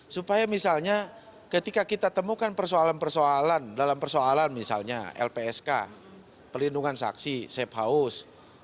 supaya misalnya ketika kita temukan persoalan persoalan dalam persoalan misalnya lpsk pelindungan saksi safe house